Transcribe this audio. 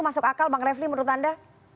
masuk akal bang refli menurut anda